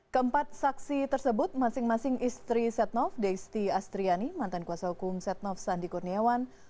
keempat saksi tersebut masing masing istri setnov deisti astriani mantan kuasa hukum setnov sandi kurniawan